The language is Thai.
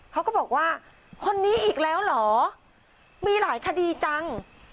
เขาก็บอกว่าคนนี้อีกแล้วเหรอมีหลายคดีจัง